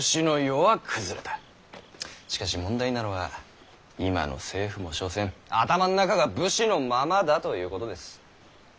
しかし問題なのは今の政府も所詮頭の中が武士のままだということです。